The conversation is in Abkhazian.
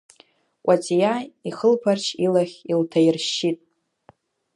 Кәаҵиа ихылԥарч илахь илҭаиршьшьит.